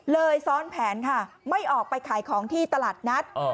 ซ้อนแผนค่ะไม่ออกไปขายของที่ตลาดนัด